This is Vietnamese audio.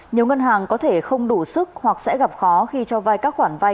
nhiều ngân hàng có thể không đủ sức hoặc sẽ gặp khó khi cho vai các khoản vay